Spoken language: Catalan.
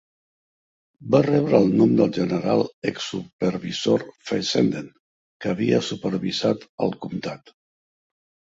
Va rebre el nom del general exsupervisor Fessenden, que havia supervisat el comtat.